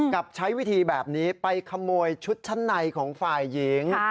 กับใช้วิธีแบบนี้ไปขโมยชุดชั้นในของฝ่ายหญิง